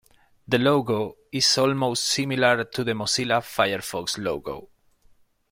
The logo is almost similar to the Mozilla Firefox logo.